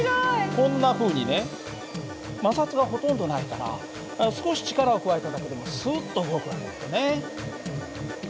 こんなふうにね摩擦がほとんどないから少し力を加えただけでもスッと動く訳だよね。